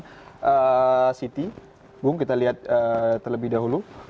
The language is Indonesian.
kita lihat city bung kita lihat terlebih dahulu